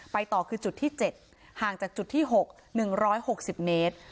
ต่อคือจุดที่๗ห่างจากจุดที่๖๑๖๐เมตร